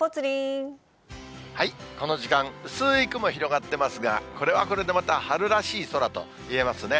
この時間、薄い雲、広がっていますが、これはこれでまた春らしい空といえますね。